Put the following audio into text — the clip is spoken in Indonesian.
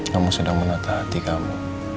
kamu sedang menata hati kamu